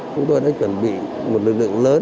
chúng tôi đã chuẩn bị một lực lượng lớn